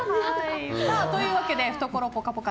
というわけで懐ぽかぽか！